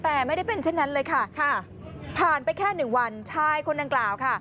แต่ไม่ได้เป็นเช่นนั้นเลยค่ะผ่านไปแค่หนึ่งวันชายคนดังกล่าวค่ะ